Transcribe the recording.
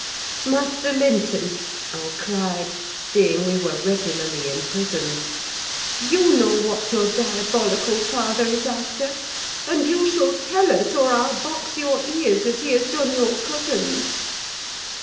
"Master Linton," I cried, seeing we were regularly imprisoned, "you know what your diabolical father is after, and you shall tell us, or I'll box your ears, as he has done your cousin's."